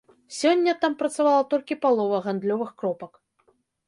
Сёння там працавала толькі палова гандлёвых кропак.